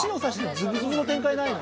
ズブズブの展開ないの？